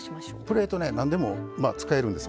プレートなんでも使えるんです。